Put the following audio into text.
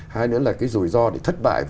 hay nữa là cái rủi ro để thất bại